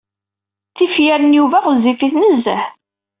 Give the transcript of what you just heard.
Tifyar n Yuba ɣezzifit nezzeh.